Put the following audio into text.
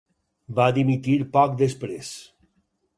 Va dimitir poc després.